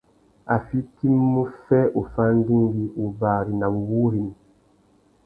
A fitimú fê uffá andingui, wubari nà wuwúrrini.